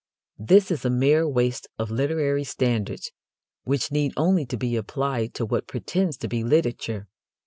This is a mere waste of literary standards, which need only be applied to what pretends to be literature.